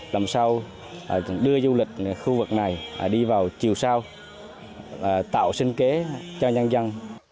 làm sao đưa du lịch khu vực này đi vào chiều sau tạo sinh kế cho nhân dân